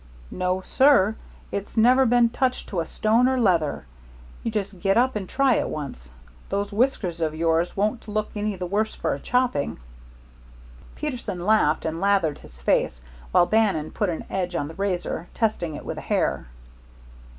"No, sir; it's never been touched to a stone or leather. You just get up and try it once. Those whiskers of yours won't look any the worse for a chopping." Peterson laughed, and lathered his face, while Bannon put an edge on the razor, testing it with a hair.